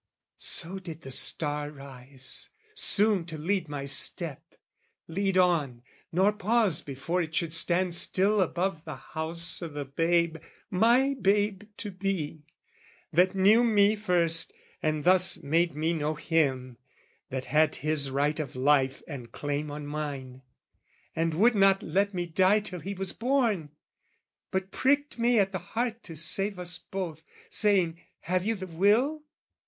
So did the star rise, soon to lead my step, Lead on, nor pause before it should stand still Above the House o' the Babe, my babe to be, That knew me first and thus made me know him, That had his right of life and claim on mine, And would not let me die till he was born, But pricked me at the heart to save us both, Saying "Have you the will?